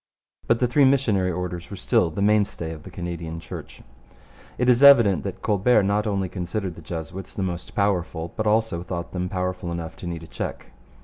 But the three missionary orders were still the mainstay of the Canadian Church. It is evident that Colbert not only considered the Jesuits the most powerful, but also thought them powerful enough to need a check.